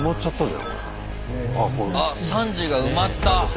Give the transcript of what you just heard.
あっ３次が埋まった！